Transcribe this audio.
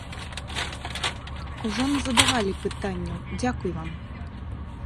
Ужо назадавалі пытанняў, дзякуй вам.